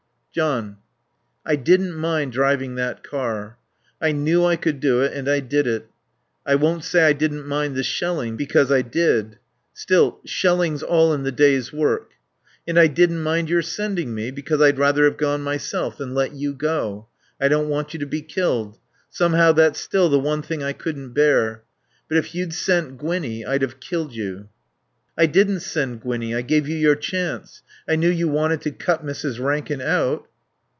"John I didn't mind driving that car. I knew I could do it and I did it. I won't say I didn't mind the shelling, because I did. Still, shelling's all in the day's work. And I didn't mind your sending me, because I'd rather have gone myself than let you go. I don't want you to be killed. Somehow that's still the one thing I couldn't bear. But if you'd sent Gwinnie I'd have killed you." "I didn't send Gwinnie. I gave you your chance. I knew you wanted to cut Mrs. Rankin out."